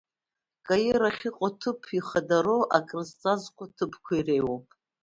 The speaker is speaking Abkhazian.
Каир ахьыҟоу аҭыԥ ихадароу, акрызҵазкуа аҭыԥқәа иреиуоуп.